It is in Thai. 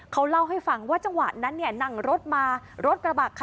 เขาเล่าให้ฟังว่าจังหวะนั้นเนี่ยนั่งรถมารถกระบะค่ะ